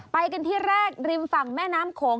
ไปกันที่แรกริมฝั่งแม่น้ำโขง